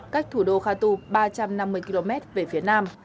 cách thủ đô khatu ba trăm năm mươi km về phía nam